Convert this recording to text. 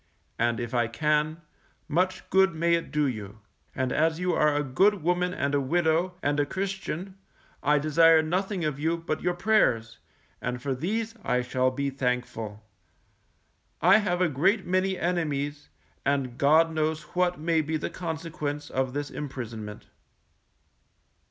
And if I can, much good may it do you; and as you are a good woman and a widow, and a Christian, I desire nothing of you but your prayers, and for these I shall be thankful. I have a great many enemies, and God knows what may be the consequence of this imprisonment.